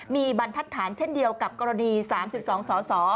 มีบรรทัศน์เช่นเดียวกับกรณี๓๒สส